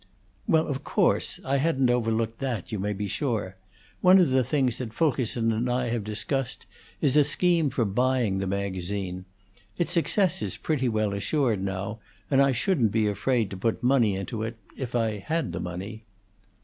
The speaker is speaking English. "Well, of course. I hadn't overlooked that, you may be sure. One of the things that Fulkerson and I have discussed is a scheme for buying the magazine. Its success is pretty well assured now, and I shouldn't be afraid to put money into it if I had the money."